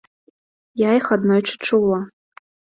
Я іх аднойчы чула.